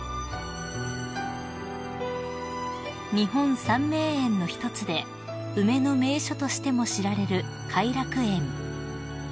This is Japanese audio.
［日本三名園の一つで梅の名所としても知られる偕楽園］